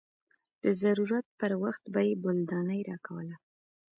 د ضرورت پر وخت به يې بولدانۍ راکوله.